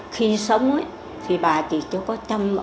khi sống thì bà chỉ có trang sổ tay viết vội